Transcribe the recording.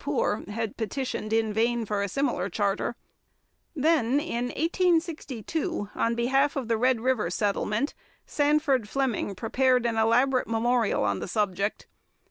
Poor had petitioned in vain for a similar charter. Then in 1862, on behalf of the Red River Settlement, Sandford Fleming prepared an elaborate memorial on the subject.